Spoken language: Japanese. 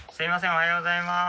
おはようございます。